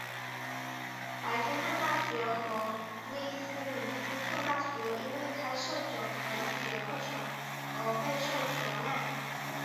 白金汉大学和威斯敏斯特大学因为开设整合医学课程而备受责难。